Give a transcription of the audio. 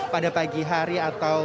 pada pagi hari atau